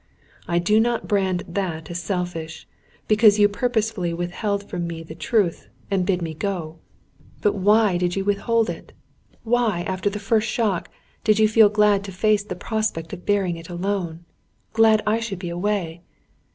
I do not brand that as selfish; because you purposely withheld from me the truth, and bid me go. But why did you withhold it? Why, after the first shock, did you feel glad to face the prospect of bearing it alone; glad I should be away?